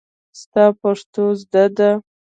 ستا پښتو زده ده.